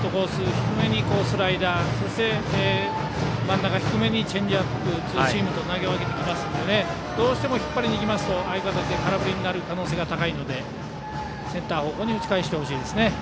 低めにスライダーそして真ん中低めにチェンジアップ、ツーシームと投げ分けてきますのでどうしても引っ張りにいきますと空振りになる可能性が高いのでセンター方向に打ち返してほしいです。